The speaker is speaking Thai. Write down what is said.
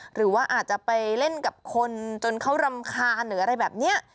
หรือว่าอาจจะไปเล่นกับคนจนเขารำคาญหรืออะไรแบบนี้